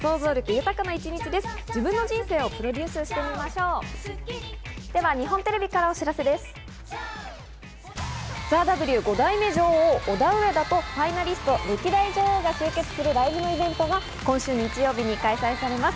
『ＴＨＥＷ』５代目女王・オダウエダとファイナリスト歴代女王が集結するライブイベントが今週日曜日に開催されます。